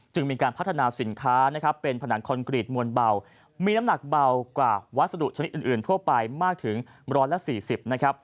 มีการพัฒนาสินค้านะครับเป็นผนังคอนกรีตมวลเบามีน้ำหนักเบากว่าวัสดุชนิดอื่นทั่วไปมากถึง๑๔๐นะครับ